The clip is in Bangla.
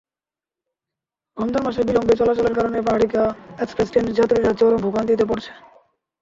রমজান মাসে বিলম্বে চলাচলের কারণে পাহাড়িকা এক্সপ্রেস ট্রেনের যাত্রীরা চরম ভোগান্তিতে পড়ে।